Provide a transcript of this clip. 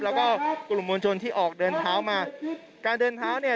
แล้วก็กลุ่มมวลชนที่ออกเดินเท้ามาการเดินเท้าเนี่ย